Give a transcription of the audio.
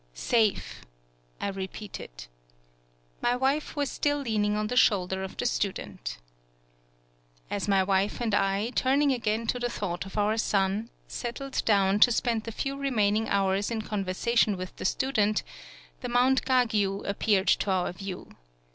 "Safe!" I repeated. My wife was still leaning on the shoulder of the stu dent. As my wife and I, turning again to the thought of our son, settled down to spend the few remaining hours in con versation with the student, the mount Gagyu appeared to our view.